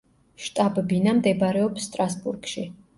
შტაბ-ბინა მდებარეობს სტრასბურგში.